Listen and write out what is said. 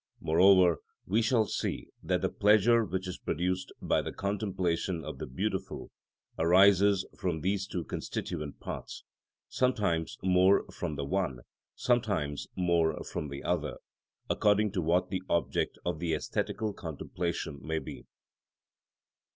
Moreover, we shall see that the pleasure which is produced by the contemplation of the beautiful arises from these two constituent parts, sometimes more from the one, sometimes more from the other, according to what the object of the æsthetical contemplation may be.